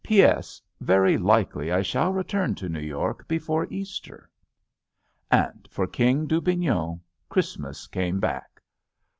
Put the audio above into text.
"P. S. Very likely I shall return to New York be fore Easter." And for King Dubignon, Christmas came back.